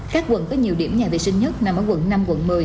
các quận có nhiều điểm nhà vệ sinh nhất nằm ở quận năm quận một mươi